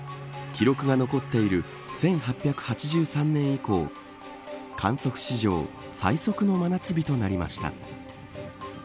記録が残っている１８８３年以降観測史上最速の真夏日となりました。